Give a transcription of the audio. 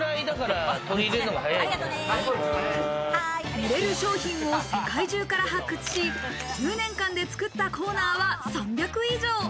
売れる商品を世界中から発掘し、９年間で作ったコーナーは３００以上。